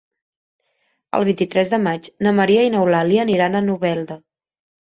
El vint-i-tres de maig na Maria i n'Eulàlia aniran a Novelda.